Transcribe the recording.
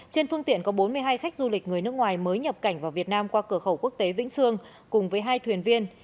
trên phương tiện có bốn mươi hai khách du lịch người nước ngoài mới nhập cảnh vào việt nam qua cửa khẩu quốc tế vĩnh sương cùng với hai thuyền viên